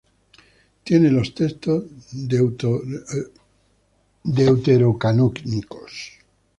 Tiene los textos deuterocanónicos.